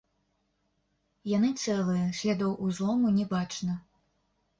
Яны цэлыя, слядоў узлому не бачна.